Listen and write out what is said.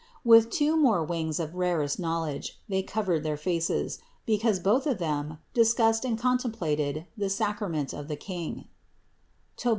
With two more wings of rarest knowledge they covered their faces; because both of them discussed and contemplated the sacrament of the King (Tob.